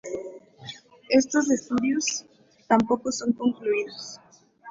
Estos estudios tampoco son concluidos.